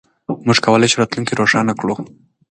موږ کولای شو راتلونکی روښانه کړو.